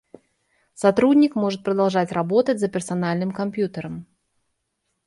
Сотрудник может продолжать работать за персональным компьютером